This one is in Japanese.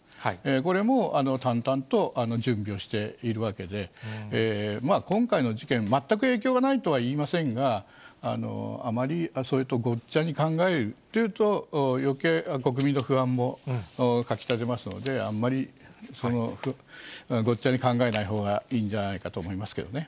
これも淡々と準備をしているわけで、まあ今回の事件、全く影響がないとは言いませんが、あまりそれとごっちゃに考えるというと、よけい国民の不安もかき立てますので、あんまり、ごっちゃに考えないほうがいいんじゃないかと思いますけどね。